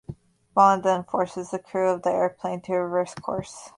Bond then forces the crew of the airplane to reverse course.